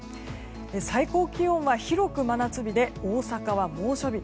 最高気温は広く真夏日で大阪は猛暑日。